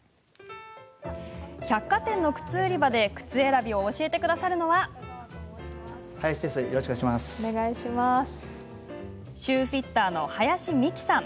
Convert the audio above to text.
百貨店の靴売り場で靴選びを教えてくれるのはシューフィッターの林美樹さん。